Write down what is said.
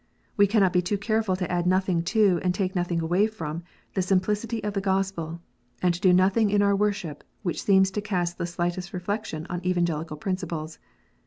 We cannot be too careful to add nothing to, and take nothing away from, the simplicity of the Gospel, and to do nothing in our worship, which seems to cast the slightest reflection on Evangelical principles.